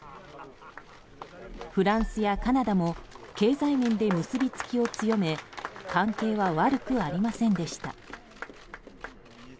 フランスやカナダも経済面で結びつきを強め関係は悪くありませんでした。